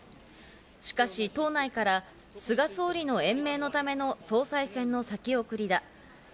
しかし党内から菅総理の延命のための総裁選の先送りだ。